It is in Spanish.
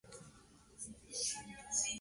La canción fue escrita por Eduardo Paz.